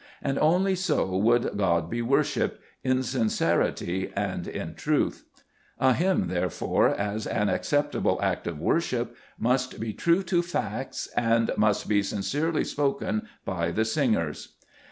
And only so would God be worshipped, — in sincerity and in truth. A hymn, therefore, as an acceptable act of wor ship, must be true to facts and must be sincerely spoken by the singers.